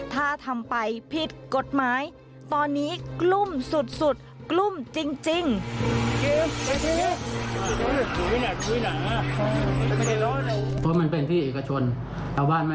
ถ้าทำไปผิดกฎหมายตอนนี้กลุ้มสุดกลุ้มจริง